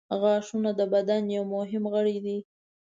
• غاښونه د بدن یو مهم غړی دی.